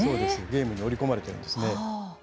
ゲームに盛り込まれているんですね。